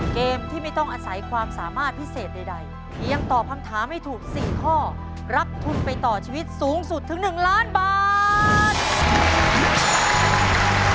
เกมที่ไม่ต้องอาศัยความสามารถพิเศษใดเพียงตอบคำถามให้ถูก๔ข้อรับทุนไปต่อชีวิตสูงสุดถึง๑ล้านบาท